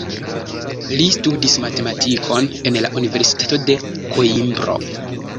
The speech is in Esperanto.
Li studis matematikon en la Universitato de Koimbro.